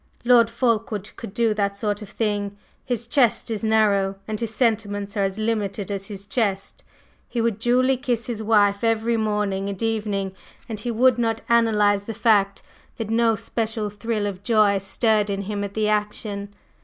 Lord Fulkeward could do that sort of thing; his chest is narrow, and his sentiments are as limited as his chest. He would duly kiss his wife every morning and evening, and he would not analyze the fact that no special thrill of joy stirred in him at the action.